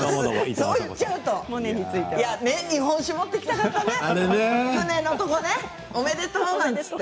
そう言ってしまうと日本酒持って行きたかったですね